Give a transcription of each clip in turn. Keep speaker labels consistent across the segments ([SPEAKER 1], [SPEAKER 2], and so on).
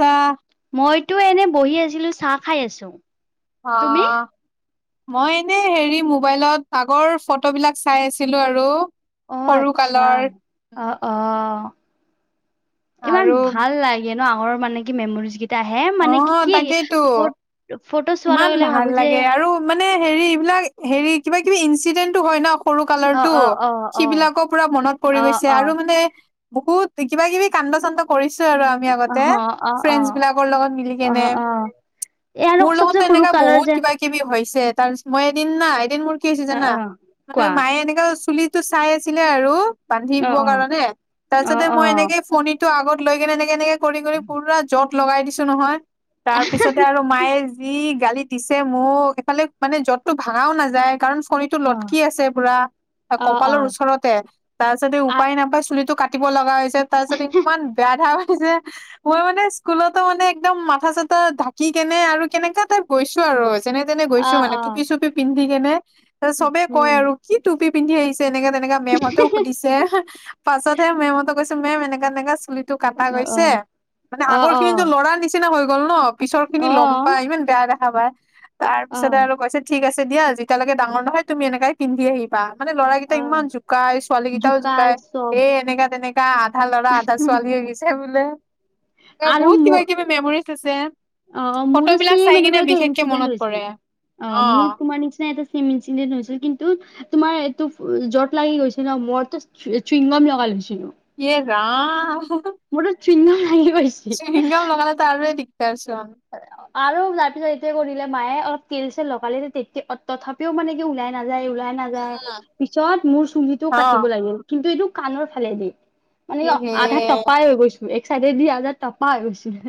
[SPEAKER 1] আছা
[SPEAKER 2] মইতো এনে বহি আছিলো চাহ খাই আছো।
[SPEAKER 1] অ',
[SPEAKER 2] তুমি?
[SPEAKER 1] মই এনে হেৰি মোবাইলত আগৰ ফটো বিলাক চাই আছিলো আৰু
[SPEAKER 2] অ,
[SPEAKER 1] সৰু
[SPEAKER 2] আচ্ছা
[SPEAKER 1] কালৰ
[SPEAKER 2] অ - অ। ইমান
[SPEAKER 1] আৰু
[SPEAKER 2] ভাল লাগে ন আগৰৰ মানে কি মেমৰিজ কেইটা এ হে
[SPEAKER 1] অ
[SPEAKER 2] মানে কি - কি?
[SPEAKER 1] তাকেইতো
[SPEAKER 2] ফটো চোৱাৰ
[SPEAKER 1] ইমান
[SPEAKER 2] লগে লগে
[SPEAKER 1] ভাল
[SPEAKER 2] ভাবো যে
[SPEAKER 1] লাগে আৰু মানে হেৰি এইবিলাক হেৰি কিবা কিবি ইনঞ্চিডেন্টটো হয় ন। সৰু
[SPEAKER 2] অ'
[SPEAKER 1] কালৰটো
[SPEAKER 2] অ' অ' অ' অ'
[SPEAKER 1] সেই বিলাকো পুৰা মনত পৰি
[SPEAKER 2] অ'। অ'
[SPEAKER 1] গৈছে আৰু মানে বহুত কিবা কিবি কান্দ চান্দ কৰিছো আৰু আমি আগতে
[SPEAKER 2] অ' অ'
[SPEAKER 1] ফ্ৰেণ্ডছ বিলাকৰ লগত মিলি কেনে
[SPEAKER 2] অ' অ'। এই আৰু
[SPEAKER 1] মোৰ
[SPEAKER 2] চবচে
[SPEAKER 1] লগতো
[SPEAKER 2] সৰু
[SPEAKER 1] এনেকা
[SPEAKER 2] কালৰ
[SPEAKER 1] বহুত
[SPEAKER 2] যে
[SPEAKER 1] কিবা কিবি হৈছে তাৰ পিছত মই এদিন না এদিন মোৰ কি হৈছে
[SPEAKER 2] অ'
[SPEAKER 1] জানা
[SPEAKER 2] অ'
[SPEAKER 1] মানে
[SPEAKER 2] কোৱা
[SPEAKER 1] মায়ে এনেককা চুলি টো চাই আছিলে আৰু। বান্ধিব
[SPEAKER 2] অ' অ'।
[SPEAKER 1] কাৰণে
[SPEAKER 2] অ'
[SPEAKER 1] তাৰপিছতে
[SPEAKER 2] অ'
[SPEAKER 1] মই
[SPEAKER 2] অ'
[SPEAKER 1] এনেকে ফণীটো আগত লৈ কেনে এনেকে- এনেকে কৰি- কৰি পুৰা যত লগাই দিছো নহয় তাৰ পিছতে আৰু মায়ে যি গালি দিছে মোক এইফালে মানে যতটো ভাঙাও নাযায় কাৰণ ফণীটো
[SPEAKER 2] অ'
[SPEAKER 1] লটকি আছে পুৰা কপালৰ
[SPEAKER 2] অ'।
[SPEAKER 1] ওচৰতে তাৰপিছত এই উপায় নাপায় চুলিটো কাটি কাতিব লগা হৈছে তাৰ পিছত ইমান বেয়া ধা মই মানে স্কুলতো মানে একদম মাথা চাথা ঢাকি কেনে আৰু কেনেকা টাইপ গৈছো আৰু যেনে তেনে
[SPEAKER 2] আ অ'
[SPEAKER 1] গৈছো মানে
[SPEAKER 2] অ'
[SPEAKER 1] টুপি চুপি পিন্ধি কেনে চবে কয়
[SPEAKER 2] উম
[SPEAKER 1] আৰু কি টুপি পিন্ধি আহিছে এনেকে তেনে এনেকা মেমহতেও সুধিছে পাছতহে মেমহতক কৈছো মেম এনেকা - এনেকা চুলি টো কাটা
[SPEAKER 2] অ' অ'
[SPEAKER 1] গৈছে মানে আগৰ
[SPEAKER 2] অ'
[SPEAKER 1] খিনি লৰাৰ নিচিনা হৈ গ'ল ন পিছৰ খিনি
[SPEAKER 2] অ'
[SPEAKER 1] ল'ম বেয়া দেখা পাই তাৰ পিছতে আৰু কৈছে ঠিক আছে। দিয়া যেতিয়ালৈকে ডাঙৰ নহয় তুমি এনেকে পিন্ধি আহিবা। মানে
[SPEAKER 2] অ'
[SPEAKER 1] ল'ৰাৰাকেইটা
[SPEAKER 2] অ' অ'।
[SPEAKER 1] ইমান জোকাই ছোৱালী কেইটাও
[SPEAKER 2] জোকা
[SPEAKER 1] জোকাই
[SPEAKER 2] চব
[SPEAKER 1] এ এনেকা তেনেকাে কা আধা ল'ৰা আধা ছোৱালী আহিছে বোলে। অ,
[SPEAKER 2] আৰু
[SPEAKER 1] বহুত
[SPEAKER 2] ম
[SPEAKER 1] কিবা কিবি মেমৰিজ আছে
[SPEAKER 2] অ, মোৰও
[SPEAKER 1] ফটোবিলাক চাই
[SPEAKER 2] ছেম
[SPEAKER 1] কিনে
[SPEAKER 2] এনেকুৱা এটা
[SPEAKER 1] বিশেষকে
[SPEAKER 2] ইচিডেন্ট
[SPEAKER 1] মনত পৰে
[SPEAKER 2] হৈছিল অ,
[SPEAKER 1] অ
[SPEAKER 2] মোৰ তোমাৰ নিচিনা এটা ছেম ইচিডেন্ট হৈছিল কিন্তু তোমাৰ এইটো যত লাগি গৈছে ন মো চৃংগম লগাল লৈছিলো।
[SPEAKER 1] হে ৰাম।
[SPEAKER 2] মূৰত সুইগ্নম লাগি। গৈছিল।
[SPEAKER 1] সুইংগাম লগালেটো আৰু হে দিগদাৰ চোন
[SPEAKER 2] আৰু ৰাতি- ৰাতি কৰিলে মায়ে অলপ তেল চেল লগালে তেতিয়া তথাপিও মানে কি ওলাই নাযায়। নাযায় ওলাই নাযায় পিছত মোৰ চুলিটো
[SPEAKER 1] অ
[SPEAKER 2] কাটিব লাগিল কিন্তু এইটো কাণৰ ফালে দি মানে
[SPEAKER 1] ইহে
[SPEAKER 2] আধা টপাই হৈ গৈছো এক চাইডে দি আধা টপা হৈ গৈছিল।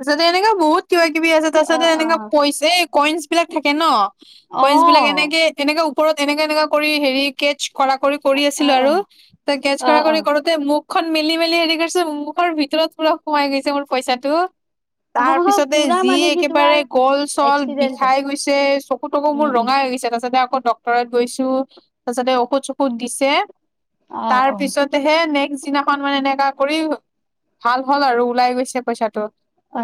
[SPEAKER 1] তাৰিছতে এনেককা বহুত কিবা কিবি আছে তাৰ পাছতে
[SPEAKER 2] অ
[SPEAKER 1] এনেককাাইছে এই কইনছ বিলাক থাকে ন।
[SPEAKER 2] অ
[SPEAKER 1] কইনছ বিলাক এনেকে এ তেনেকে ওপৰত এনেকে এনেকা কৰি হে কে কৰা কৰি - কৰি
[SPEAKER 2] অ
[SPEAKER 1] আছিলো
[SPEAKER 2] অ।
[SPEAKER 1] আৰু ত গেছ
[SPEAKER 2] অ
[SPEAKER 1] কৰা
[SPEAKER 2] অ
[SPEAKER 1] কৰি কৰোতে মোক খখন মেলি - মেলি হেৰি কৰিছো মখৰ ভিতৰত পুৰা সোমাই গৈছে মোৰ পইচাটো তাৰ
[SPEAKER 2] অ
[SPEAKER 1] পিছতে
[SPEAKER 2] পুৰা
[SPEAKER 1] যি
[SPEAKER 2] মানে কি তোমাৰ
[SPEAKER 1] একেবাৰে গল চল
[SPEAKER 2] এক্সিডেণ্ট হয়।
[SPEAKER 1] বিষাই গৈছে চকু তকু
[SPEAKER 2] উম
[SPEAKER 1] মোৰ
[SPEAKER 2] উম
[SPEAKER 1] ৰঙাই ত আছে। ডটৰত গৈছো তাৰপিছতে ঔষধ চষধ দিছে
[SPEAKER 2] অ
[SPEAKER 1] তাৰ
[SPEAKER 2] অ
[SPEAKER 1] পিছতহে নেক্স নিচিনাখন মানে এনেকা কৰি ভাল হ'ল আৰু ওলাই গৈছে পইচাটো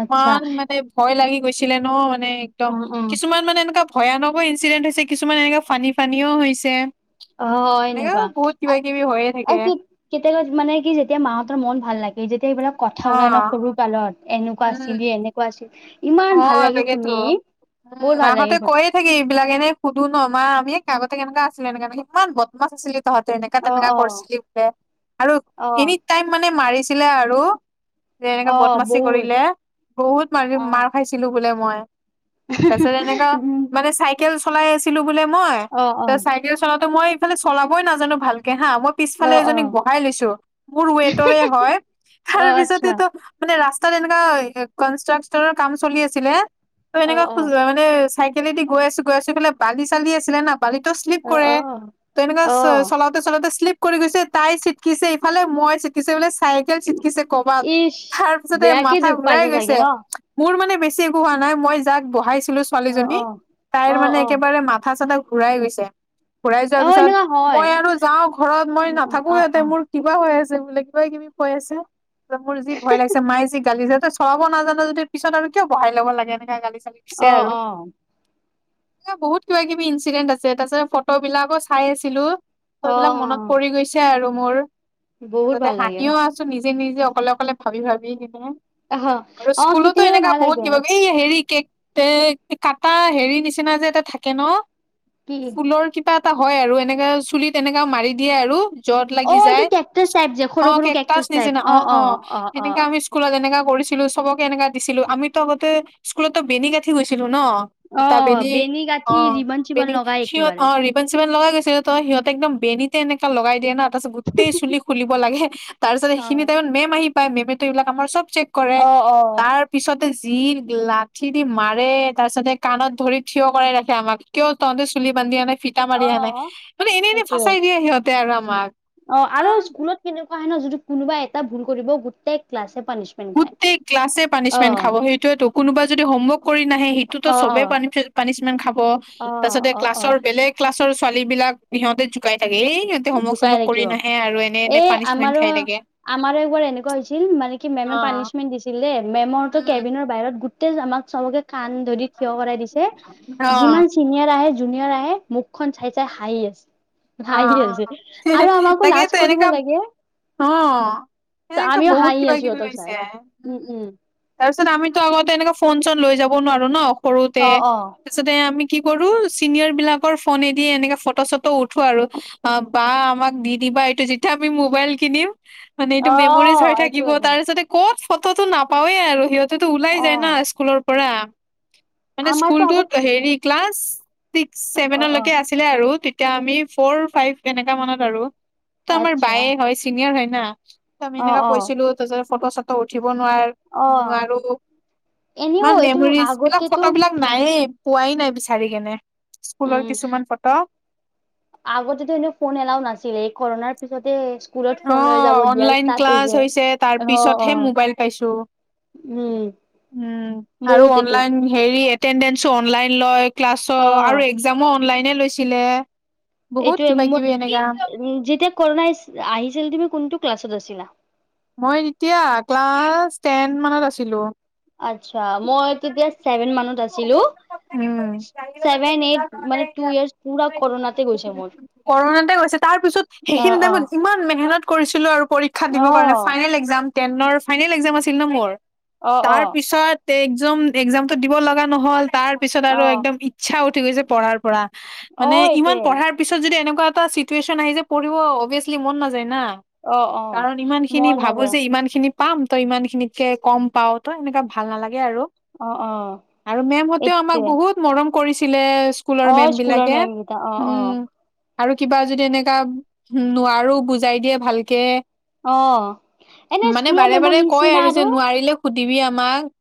[SPEAKER 2] আচ্ছা
[SPEAKER 1] মানে ভয় লাগি গৈছিলে ন মানে একদম
[SPEAKER 2] অ অ
[SPEAKER 1] কিছুমান মানে এনেকুৱা ভয়ানকো ইঞ্চিডেণ্ট হৈছে কিছুমান এনেকুৱে ফানী ফানিও হৈছে
[SPEAKER 2] অ হয়
[SPEAKER 1] এনেকা
[SPEAKER 2] এনেকুৱা
[SPEAKER 1] বহুত কিবা কিবি হৈয়ে থাকে
[SPEAKER 2] কেতিয়াবা মানে কি যেতিয়া মাহতৰ মন ভাল লাগে যেয়া তে এইবিলাক কথা
[SPEAKER 1] অ
[SPEAKER 2] ওলাই ন সৰু কালত এনেকুৱা
[SPEAKER 1] উম
[SPEAKER 2] আছিলি এনেকুৱা আছিল ইমান
[SPEAKER 1] অ
[SPEAKER 2] ভাল লাগে শুনি
[SPEAKER 1] তাকেতো উম
[SPEAKER 2] বহুত ভাল লাগে
[SPEAKER 1] মাহঁতে
[SPEAKER 2] শুনি
[SPEAKER 1] কৈয়ে থাকি এইবিলাক এনে সুধো ন মা আমি আগতে কেনেকুৱা আছিলে এনেকাে সিমান বদমা আছিলে তহো এনেকা
[SPEAKER 2] অ
[SPEAKER 1] তেনেকা
[SPEAKER 2] অ
[SPEAKER 1] কৰিছিলি বোলে আৰু
[SPEAKER 2] অ
[SPEAKER 1] এনি টাইম মানে মাৰি আৰু যে এনেকা
[SPEAKER 2] অ
[SPEAKER 1] বদমাচি
[SPEAKER 2] বহুত
[SPEAKER 1] কৰিলে বহুত মাৰি
[SPEAKER 2] অ
[SPEAKER 1] মা বোলে মই তাৰ পাছত এনেকুৱা
[SPEAKER 2] উম
[SPEAKER 1] মানে চাইকেল চল চলাই আছিলো বোলে মই
[SPEAKER 2] অ অ
[SPEAKER 1] চাইকেল চলাতে মই ইফালে চলাবই নাজানো ভালকে হা মই
[SPEAKER 2] অ
[SPEAKER 1] পিছফালে
[SPEAKER 2] অ
[SPEAKER 1] এজনীক বহাই লৈছো মোৰ ৱেটৰে হয়
[SPEAKER 2] অ
[SPEAKER 1] তাৰ
[SPEAKER 2] আচ্ছা
[SPEAKER 1] পিছতেতো মানে ৰাস্ত ৰাস্তাত এনেকুৱা কনষ্ট্ৰাকছনৰ কাম চলি আছিলে
[SPEAKER 2] অ অ
[SPEAKER 1] এনেকুৱা মানে তাত চাইকেলেদি গৈ আছো গৈ আছো ইফালে বালি চালি আছিলে ন বালি ত শ্লিপ
[SPEAKER 2] অ
[SPEAKER 1] কৰে
[SPEAKER 2] অ অ
[SPEAKER 1] ত এনেকুৱ
[SPEAKER 2] অ
[SPEAKER 1] চলাওঁতে চলাওঁতে শ্লিপ কৰি গৈছে তাই চিটকিছে ইফালে মই চিটকিছে বো চাইকেল চিটকিছে কৰবাত
[SPEAKER 2] ইচ
[SPEAKER 1] তাৰ পিছতে
[SPEAKER 2] বেয়াকে
[SPEAKER 1] মাথা
[SPEAKER 2] দুখ
[SPEAKER 1] ঘুৰাই
[SPEAKER 2] পাইছা চাগে
[SPEAKER 1] গৈছে
[SPEAKER 2] ন
[SPEAKER 1] মোৰ মানে বেছি একো হোৱা নাই মই যাক বহাইছিলো
[SPEAKER 2] অ
[SPEAKER 1] ছোৱালীজনী
[SPEAKER 2] অ
[SPEAKER 1] তাইৰ
[SPEAKER 2] অ
[SPEAKER 1] মানে
[SPEAKER 2] অ
[SPEAKER 1] একেবাৰে মাথা চাথা ঘূৰাই গৈছে ঘুৰাই যোৱাৰ
[SPEAKER 2] অ
[SPEAKER 1] পিছত
[SPEAKER 2] এনেকুৱা হয়
[SPEAKER 1] মই আৰু যাও ঘৰত মই
[SPEAKER 2] অ
[SPEAKER 1] নাথাকো
[SPEAKER 2] অ
[SPEAKER 1] ইিহঁতে মোৰ কিবা হৈ আছে বোলে কিবা কিবি কৈ আছে যে মোৰ যি ভয় লাগিছে মায়ে যি গালিছে ত চৰাব নাজানো যদি পিছত আৰু কিয় বহাই ল'ব লাগে এনেকাে গালি চালি দিছে
[SPEAKER 2] অ অ
[SPEAKER 1] আৰু
[SPEAKER 2] অ
[SPEAKER 1] এ বহুত কিবা কিবি ইনচিডেন্ট আছে তাৰ পিছত ফটো বিলাকো চাই আছিলো ত
[SPEAKER 2] অ
[SPEAKER 1] এইবিলাক মনত পৰি গৈছে আৰু মোৰ
[SPEAKER 2] বহুত
[SPEAKER 1] ততে
[SPEAKER 2] ভাল লাগে
[SPEAKER 1] হাঁহিও আছো নিজ নিজে নিজে অকলে অকলে ভাবি ভাবি কিে
[SPEAKER 2] অহ অ কেয়া
[SPEAKER 1] এনেককাা বহুত কি ব এই হেৰি কেক তে কটা হেৰি নিচিনা যে এটা থাকে ন
[SPEAKER 2] কি
[SPEAKER 1] ফুলৰ কিবা এটা হয় আৰু এনেকাে চুলিত এনেকা মাৰি দিয়ে আৰু য্বত
[SPEAKER 2] অ
[SPEAKER 1] লাগি
[SPEAKER 2] এইটো
[SPEAKER 1] যায়
[SPEAKER 2] কেকটাচ টাইপ যে
[SPEAKER 1] অ
[SPEAKER 2] সৰু সৰু
[SPEAKER 1] কেকটচ
[SPEAKER 2] কেকটাচ টাইপ
[SPEAKER 1] নিচিনা অ অ
[SPEAKER 2] অ
[SPEAKER 1] এনেকা আমি স্কুলত এনেকা কৰিছিলো চবকে এনেকা দিছিলো আমিতো আগতে স্কুলতো বেনি গাঠি গৈছিলো ন
[SPEAKER 2] অ
[SPEAKER 1] জোতা পিন্ধি
[SPEAKER 2] বেনি গাঁঠি
[SPEAKER 1] অন
[SPEAKER 2] ৰিবন চিবন লগাই
[SPEAKER 1] সিহঁত
[SPEAKER 2] একেবাৰে
[SPEAKER 1] অ ৰিবন চিবন লগাই গৈছিল তই সিহতে একদম বেনী তে এনেকা লগাই দিয়ে না তাৰপাছত গোটেই চুলিুলিব লাগে তাৰ পিছত
[SPEAKER 2] অ
[SPEAKER 1] সেইখিনি টাইমত মেম আহি মেম এইবাক আমাৰ চব চেক কৰে
[SPEAKER 2] অ অ
[SPEAKER 1] তাৰ পিছতে যিৰ লাঠি দি মাৰে তাৰপিছতে কাণত ধৰি থিয় কৰাই ৰাখে আমাক কিয় ত সিহঁতে চুলি বান্ধি অহা নাই ফিটা মাৰি
[SPEAKER 2] অ
[SPEAKER 1] অহা নাই মানে এনেই এনে
[SPEAKER 2] সেইটোয়ে
[SPEAKER 1] ফাচাই দিয়ে সিহঁতে আৰু আমাক
[SPEAKER 2] অ আৰু
[SPEAKER 1] ইমান
[SPEAKER 2] স্কুলত কেনেকুৱা হয় ন যদি কোনোবা এটা ভুল কৰিব গোটেই ক্লাছে পানিচমেন্ট খায়
[SPEAKER 1] গোটেই ক্লাছে
[SPEAKER 2] অ
[SPEAKER 1] পানিচমেণ্ট খাব সেইটোয়েতো কোনোবা যদি হোমৱৰ্ক নে সেইটো
[SPEAKER 2] অ অ
[SPEAKER 1] চবে পানিস্মেন্ত খাব,
[SPEAKER 2] অ
[SPEAKER 1] তাৰ পাছতে
[SPEAKER 2] অ অ
[SPEAKER 1] ক্লাছৰ বেলেগ ক্লাছৰ ছোৱালী বিলাকে সিহঁতে জুকাই থাকে এই সিহঁতে হোমৱৰ্ক
[SPEAKER 2] জোকাই
[SPEAKER 1] চমৱৰ্ক কৰি
[SPEAKER 2] থাকিব
[SPEAKER 1] নাহে আৰু এনে এনে পানিচমেন্ট খাই থাকে
[SPEAKER 2] আমাৰ এবাৰ এনেকুৱা হৈছিল মানে কি
[SPEAKER 1] অ
[SPEAKER 2] মেমে পানিছমেণ্ট দিছিল দেই মেমৰো
[SPEAKER 1] উম
[SPEAKER 2] কেবিনৰ বাহিৰত গোটেই আমাক চবকে কাণ ধৰি থিয় কৰাই দিছে
[SPEAKER 1] অ
[SPEAKER 2] যিমান চিনিয়ৰ আহে জুনিয়ৰ আহে মুখখন চাই চাই হাঁহি আছে
[SPEAKER 1] অ অ
[SPEAKER 2] হাঁহি আছে আৰু আমাকো লাজ
[SPEAKER 1] তাকেতো
[SPEAKER 2] কৰিব
[SPEAKER 1] এনেকা
[SPEAKER 2] লাগে
[SPEAKER 1] অ অনেকা
[SPEAKER 2] আমিও
[SPEAKER 1] বহুত
[SPEAKER 2] হাঁহি
[SPEAKER 1] কিবা
[SPEAKER 2] আছো
[SPEAKER 1] কিবি
[SPEAKER 2] সিহঁতক চাই
[SPEAKER 1] লৈছে
[SPEAKER 2] উম উম
[SPEAKER 1] তাৰ পিছত আমিতো আগতে এনে ফোন চন লৈ যাব নোৱাৰো ন সৰুতে
[SPEAKER 2] অ অ
[SPEAKER 1] তাৰপিছতে আমি কি কৰো চিনিয়ৰ বিলাকৰ ফোনেদি এনেকে ফটো চটো উঠ। আৰু অ, বা আমাক দি দিবা এইটো যেতিয়া আমি মোবাইল কিনিম। মানে এইটো
[SPEAKER 2] অ
[SPEAKER 1] মেমৰিজ হৈ
[SPEAKER 2] এইটো
[SPEAKER 1] থাকিব
[SPEAKER 2] এইটো
[SPEAKER 1] তাৰপিছতে ক'ত ফটোতটো নাপাৱওৱে আৰু সিহত তাতটো ওলাই
[SPEAKER 2] অ
[SPEAKER 1] যায় না স্কুলৰ পৰা মানে
[SPEAKER 2] আমাৰতো
[SPEAKER 1] স্কুলটোত
[SPEAKER 2] আগত
[SPEAKER 1] হেৰি ক্লাছ। ছিক্স
[SPEAKER 2] অ অ
[SPEAKER 1] চছেভেনলৈকে আছিলে আৰু তেতিয়া আমি ফ'ৰ ফাইভ এনেকা মানত আৰু ত আমাৰ
[SPEAKER 2] আচ্ছা
[SPEAKER 1] বায়ে হয় চিনিয়ৰ হয় না ত আমি
[SPEAKER 2] অ
[SPEAKER 1] এনেককা
[SPEAKER 2] অ
[SPEAKER 1] কৈছিলো তাৰছতে ফটো চটো উঠি নোৱাৰ
[SPEAKER 2] অ
[SPEAKER 1] - নোৱাৰো
[SPEAKER 2] এনেও
[SPEAKER 1] ইমান
[SPEAKER 2] এইটো
[SPEAKER 1] মেমৰিজ বিলাক
[SPEAKER 2] আগতেতো
[SPEAKER 1] ফটো বিলাক নায়েই। পোৱাই নাই বিচাৰি কেনে স্কুলৰ কিছুমান ফটো
[SPEAKER 2] আগত যদি এনে ফোন এলাও নাছিলে এই কৰণাৰ পিছত।
[SPEAKER 1] অ, অনলাইন ক্লাছ হৈছে তাৰ
[SPEAKER 2] অ',
[SPEAKER 1] পিছতহে
[SPEAKER 2] অ'।
[SPEAKER 1] মোবাইল পাইছো। উম, আৰু
[SPEAKER 2] বহুত এইটো।
[SPEAKER 1] অনলাইন হেৰি এটেডেঞ্চো অনলাইন লয় ক্লাছৰ আৰু
[SPEAKER 2] অ',
[SPEAKER 1] এক্সামো অনলাইনে লৈছিলে। বহুত
[SPEAKER 2] এইটো
[SPEAKER 1] কিবা
[SPEAKER 2] উম,
[SPEAKER 1] কিবি এনেকা
[SPEAKER 2] যেতিয়া কৰণা আহিছিল তুমি কোনটো ক্লাছত আছিলা।
[SPEAKER 1] মই এতিয়া ক্লাছ টেন মানত আছিলো।
[SPEAKER 2] আচছা মই তেতিয়া চছেভেন মানত আছিলো। ছেভেন এইট মানে টু
[SPEAKER 1] কৰোণাতে
[SPEAKER 2] ইয়াৰ পুৰা কৰণাতে গৈছে মোৰ।
[SPEAKER 1] কৰণাতে গৈছে তাৰ পিছত সেইখিনি
[SPEAKER 2] অ',
[SPEAKER 1] টাইমত
[SPEAKER 2] অ'।
[SPEAKER 1] য ইমান মেঘেলত কৰিছিলো আৰু পৰীক্ষা
[SPEAKER 2] অ',
[SPEAKER 1] দিবৰ কাৰণে ফাইনেল একাম টেনৰ ফাইনেল এক্সাম আছিল ন মোৰ
[SPEAKER 2] অ',
[SPEAKER 1] তাৰ পিছত একজাম এক্সামতো দিব লগা নহল। তাৰ পিছত
[SPEAKER 2] অ',
[SPEAKER 1] আৰু
[SPEAKER 2] অ',
[SPEAKER 1] একদম ইচ্ছা উঠি গৈছে পঢ়াৰ পৰা মানে
[SPEAKER 2] অ',
[SPEAKER 1] ইমান
[SPEAKER 2] এইটোয়ে
[SPEAKER 1] পঢ়াৰ পিছত যদি এনেকুৱা নে এটা চিটুৱেচন আহি যে পঢ়িব অভিয়চলি মন নাযায় না।
[SPEAKER 2] অ', অ'।
[SPEAKER 1] কাৰণ ইমান খিনি
[SPEAKER 2] মন
[SPEAKER 1] ভাবো
[SPEAKER 2] নাযায়
[SPEAKER 1] যে ইমান খিনি। পাম তই ইমান খিনিতকে কম পাও ত এনেকুৱা ভাল নালাগে আৰু
[SPEAKER 2] অ', অ',
[SPEAKER 1] আৰু মেমহতেও আমাক
[SPEAKER 2] এইটোৱে
[SPEAKER 1] বহুত মৰম কৰিছিলে। স্কুলৰ
[SPEAKER 2] অ',
[SPEAKER 1] মেম
[SPEAKER 2] স্কুলৰ
[SPEAKER 1] বিাকে
[SPEAKER 2] মেম কেইটা অ', অ',
[SPEAKER 1] উম, আৰু কিবা যদি এনেককাা নোৱাৰো বুজাই দিয়ে ভালকে।
[SPEAKER 2] অ'। এনে
[SPEAKER 1] মানে
[SPEAKER 2] স্কুলৰ
[SPEAKER 1] বাৰে -
[SPEAKER 2] মেমৰ
[SPEAKER 1] বাৰে কয়
[SPEAKER 2] নিচিনা
[SPEAKER 1] আৰু যে নোৱাৰিলে সুধিবি আমাক।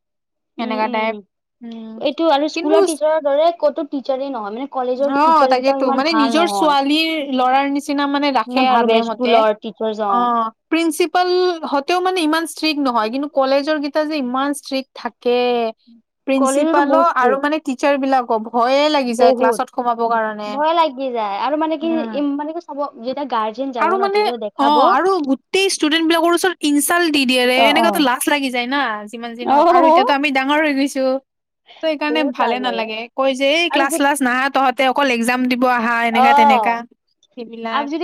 [SPEAKER 2] উম
[SPEAKER 1] সনেককা
[SPEAKER 2] উম
[SPEAKER 1] টাইপ উম
[SPEAKER 2] এইটো আৰু
[SPEAKER 1] কিন্তু
[SPEAKER 2] স্কুলৰ টিচাৰৰ দৰে ক'তো টিচাৰ নহয় মানে
[SPEAKER 1] অ
[SPEAKER 2] কলেজৰ টিচাৰ কেইটাও
[SPEAKER 1] তাকেতো
[SPEAKER 2] ইমান
[SPEAKER 1] মানে
[SPEAKER 2] ভাল
[SPEAKER 1] নিজৰ
[SPEAKER 2] নহয়।
[SPEAKER 1] ছোৱালীৰ লৰাৰ নিচিনা ৰাখে
[SPEAKER 2] মানে
[SPEAKER 1] আৰু
[SPEAKER 2] ভাবে
[SPEAKER 1] মেম হতে
[SPEAKER 2] স্কুলৰ টিচাৰ
[SPEAKER 1] অ,
[SPEAKER 2] যাওঁ
[SPEAKER 1] প্ৰিন্সি পাল সতেও মানে ইমান ষ্ট্ৰিক্ট নহয় কিন্তু কলেজৰ কেইটা যে ইমান ষ্ট্ৰিক্ট থাকে।
[SPEAKER 2] কলেজতো
[SPEAKER 1] প্ৰিন্সিপাল
[SPEAKER 2] বহুত
[SPEAKER 1] আৰু
[SPEAKER 2] ষ্ট্ৰিক্ট
[SPEAKER 1] মানে টিচাৰ বিলাকক ভয়ে লাগি যায়
[SPEAKER 2] বহুত
[SPEAKER 1] ক্লাছত সোমাব কাৰণে
[SPEAKER 2] ভয় লাগি যায় আৰু মানে
[SPEAKER 1] উম,
[SPEAKER 2] কি মানে কি চাব যেতিয়া গাৰ্জেন যাব
[SPEAKER 1] আৰু
[SPEAKER 2] ন
[SPEAKER 1] মানে
[SPEAKER 2] তেতিয়া
[SPEAKER 1] অ,
[SPEAKER 2] দেখাব
[SPEAKER 1] আৰু গোটেই ষ্টুডেন্ট বিলাকৰ ওচৰত ইনচাল্ট দি- দিয়ে
[SPEAKER 2] অ
[SPEAKER 1] এনেকো লাজ লাগি য না যিমান যি হওক
[SPEAKER 2] অ
[SPEAKER 1] আৰু এতিয়াতো আমি ডাঙৰ হৈ গৈছো। চো ত, এইকাৰণে
[SPEAKER 2] বহুত লাজ
[SPEAKER 1] ভালে
[SPEAKER 2] লাগে
[SPEAKER 1] নালাগে কৈ যে এই
[SPEAKER 2] আৰু
[SPEAKER 1] ক্লাছ শ্লাচ নাই তহতে অকল এক্সাম দিবি। বহা
[SPEAKER 2] অ
[SPEAKER 1] এনেকা তেনেকা সেইবিলাক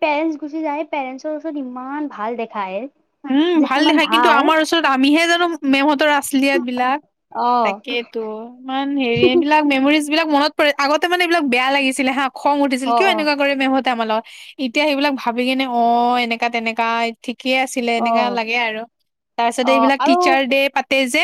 [SPEAKER 2] পেৰেন্টচ গুচি যায় পেৰেণ্টৰ ওচৰত ইমান ভাল দেখায়।
[SPEAKER 1] উম,
[SPEAKER 2] যে
[SPEAKER 1] ভাল
[SPEAKER 2] কিমান
[SPEAKER 1] দেখা কিন্তু আমাৰ ওচৰত আমিহে জানো। মেমহতৰ আছলিয়াত বিলাক
[SPEAKER 2] অ
[SPEAKER 1] তাকেইতো ইমান হেৰি এইবিলাক মেমৰিজ যিবিলাক মনত পৰিৰে আগতে মানে এইবিলাকেয়া লাগিছিল হা খং উঠিছিল
[SPEAKER 2] অ
[SPEAKER 1] কিয়
[SPEAKER 2] অ
[SPEAKER 1] এনেকুৱা কৰে মেহতে আমালত এতিয়া সেইবিলাক ভাবি কিনে অ, এনেকা তেনেকাা ঠিকেই আছিলে
[SPEAKER 2] অ
[SPEAKER 1] এনেকা লাগে আৰু। তাৰ পিছতে
[SPEAKER 2] অ
[SPEAKER 1] এইবিলাক
[SPEAKER 2] আৰু
[SPEAKER 1] টিচাৰ দে পাতে যে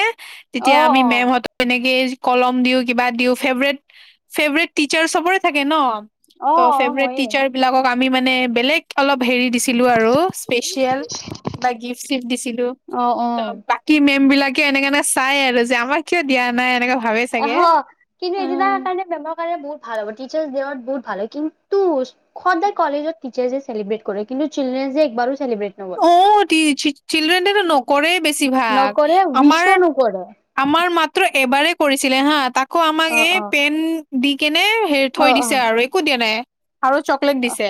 [SPEAKER 2] অ',
[SPEAKER 1] তেতিয়া আমি
[SPEAKER 2] অ',
[SPEAKER 1] মেমহত এনেকে কলম দিও, কিবা দিও, ফেভৰেট-ফেভৰেট টিচাৰ চবৰে থাকে নহ?
[SPEAKER 2] অ', অ', হয়ে।
[SPEAKER 1] [unintelligible] আমি মানে, বেলেগ অলপ হেৰি দিছিলোঁ আৰু স্পেচিয়েল। কিবা গিফ্ট-চিফ্ট দিছিলো,
[SPEAKER 2] অ',
[SPEAKER 1] ত'
[SPEAKER 2] অ'।
[SPEAKER 1] বাকী মেম বিলাক কিয় [unintelligible] চাই আৰু যে, আমাক কিয় দিয়া নাই এনেকা
[SPEAKER 2] অহ কিন্তু এইটো তাৰ কাৰণে মেমক বহুত ভাল টিচাৰ ডেত বহুত ভাল হয়। কিন্তু সদায় কলেজত টিচাৰচ ডে চেলিব্ৰেট কৰে। কিন্তু চিলড্ৰেন ডে একবাৰো চেলিব্ৰেট নকৰে।
[SPEAKER 1] অ' চিল্ড্ৰেন ডেটো নকৰে। বেছিভাগ
[SPEAKER 2] নকৰে
[SPEAKER 1] আমাৰ
[SPEAKER 2] উইচো নকৰে।
[SPEAKER 1] আমাৰ মাত্ৰ এবাৰে কৰিছিলে হা তাকো আমাক
[SPEAKER 2] অ',
[SPEAKER 1] এই
[SPEAKER 2] অ',
[SPEAKER 1] পেন দি কেনে হেৰি
[SPEAKER 2] অ',
[SPEAKER 1] থৈ দিছে
[SPEAKER 2] অ',
[SPEAKER 1] আৰু একো দিয়া নাই আৰু চকলেট
[SPEAKER 2] অ
[SPEAKER 1] দিছে।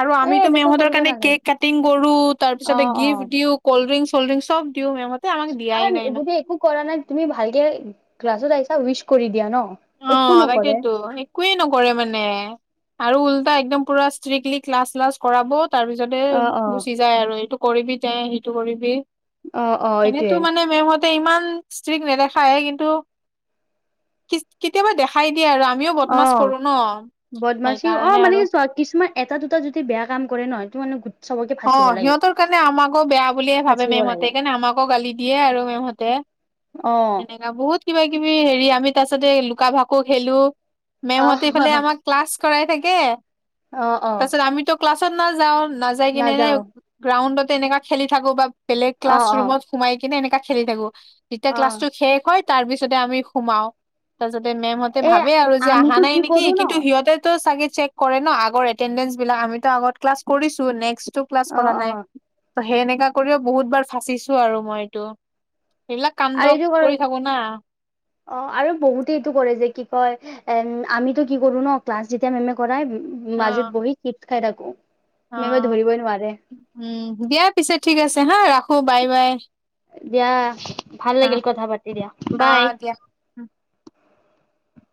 [SPEAKER 1] আৰু
[SPEAKER 2] এ
[SPEAKER 1] আমিতো
[SPEAKER 2] এনেকুৱা
[SPEAKER 1] মেমহঁতৰ
[SPEAKER 2] কৰিব
[SPEAKER 1] কাৰণ
[SPEAKER 2] নালাগে।
[SPEAKER 1] কেক কাটিং কৰো তাৰ পিছতে
[SPEAKER 2] অ',
[SPEAKER 1] গিফ্ট
[SPEAKER 2] অ'।
[SPEAKER 1] দিও কল্ড ড্ৰিংক চল্ড ড্ৰিংক চব দিও মেমহতে আমাক দিয়াই
[SPEAKER 2] আৰু
[SPEAKER 1] নাই
[SPEAKER 2] যদি একো কৰা নাই তুমি ভালকে ক্লাছত আহিছা উইচ কৰি দিয়া ন। একো
[SPEAKER 1] অ'
[SPEAKER 2] নকৰে।
[SPEAKER 1] তাকেইতো একোৱেই নকৰে মানে। আৰু উল্টা একদম পুৰা ষ্ট্ৰিক্টলি ক্লাছ চ্লাছ কৰা তাৰ পিছতে
[SPEAKER 2] অ', অ',
[SPEAKER 1] গুচি যায় আৰু এইটো কৰিবি তে সিটো কৰিবি
[SPEAKER 2] অ' অ' এইটোৱে।
[SPEAKER 1] এনেতো মানে মেমহঁতে ইমান ষ্ট্ৰিক নেদেখায়ে কিন্তু কেতিয়াবা দেখাই। কি আৰু আমিও বদমছ
[SPEAKER 2] অ'।
[SPEAKER 1] কৰো ন
[SPEAKER 2] বদমাচি অ
[SPEAKER 1] সেইকাৰণে
[SPEAKER 2] মানে
[SPEAKER 1] আৰু
[SPEAKER 2] কি চোৱা কিছুমান এটা দুটা যদি বেয়া কাম কৰে নহয় এইটো মানে চবকে
[SPEAKER 1] অ
[SPEAKER 2] ফাচিব লাগে
[SPEAKER 1] সিহঁতৰ কাৰণে আমাকো বেয়া বুলিয়ে ভাবে
[SPEAKER 2] ফাচিব লাগে
[SPEAKER 1] মেমহতে সেইকাৰণে আমাকো গালি দিয়ে আৰু মেমহঁতে।
[SPEAKER 2] অ
[SPEAKER 1] [inaudible] আমি তাৰছতে লুকা-ভাকু খেলো মেমহঁতে ইফালে
[SPEAKER 2] আহ
[SPEAKER 1] আমাক ক্লাছ কৰাই থাকে।
[SPEAKER 2] অ' অ'।
[SPEAKER 1] তাৰপিছত আমিতো ক্লাছত নাযাও নাযাই কিনে এনে
[SPEAKER 2] নাযাও
[SPEAKER 1] গ্ৰাউণ্ডতে এনেকুৱা খেলি থাকো বা বেলেগ
[SPEAKER 2] অ
[SPEAKER 1] ক্লাছ
[SPEAKER 2] অ
[SPEAKER 1] ৰুমত সোমাই কিনে এনেকা খেলি থাকো যেতিয়া
[SPEAKER 2] অ
[SPEAKER 1] ক্লাছটো শেষ হয় তাৰ পিছতে আমি সোমাও। তাৰপাছতে মেমহঁতে
[SPEAKER 2] এ
[SPEAKER 1] ভাবে আৰু যে অহা
[SPEAKER 2] আমিতো
[SPEAKER 1] নাই
[SPEAKER 2] কি
[SPEAKER 1] নেকি
[SPEAKER 2] কৰো ন
[SPEAKER 1] কিন্তু সিহঁতেতো চাগে চেক কৰে ন আগৰ এটেন্ডেন্স বিলাক আমিটো আগত ক্লাছ কৰিছো নেক্সটো ক্লাছ
[SPEAKER 2] অ
[SPEAKER 1] কৰা
[SPEAKER 2] অ
[SPEAKER 1] নাই। ত সেই এনেকা কৰিও বহুত বাৰ ফচিছো আৰু মই এইটো এইবিলাক কাণ্ড
[SPEAKER 2] আৰু এইটো কৰে
[SPEAKER 1] কৰি থাকো না
[SPEAKER 2] অ আৰু বহুতে এইটো কৰে যে কি কয় এ আমিতো কি কৰো ন ক্লাছ যেতিয়া মেম কৰাই
[SPEAKER 1] অ
[SPEAKER 2] মাজত বহি কিট খাই থাকো। মেমে
[SPEAKER 1] অ'
[SPEAKER 2] ধৰিবই নোৱাৰে
[SPEAKER 1] উম দিয়া পিছে ঠিক আছে হা ৰাখো বাই বাই।
[SPEAKER 2] দিয়া ভাল
[SPEAKER 1] অ
[SPEAKER 2] লাগিল কথা পাতি দিয়া
[SPEAKER 1] অ
[SPEAKER 2] বাই।
[SPEAKER 1] দিয়া উম